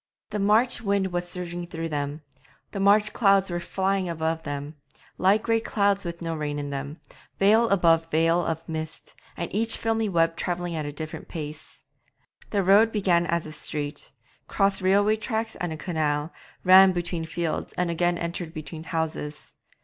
The March wind was surging through them; the March clouds were flying above them, light grey clouds with no rain in them, veil above veil of mist, and each filmy web travelling at a different pace. The road began as a street, crossed railway tracks and a canal, ran between fields, and again entered between houses.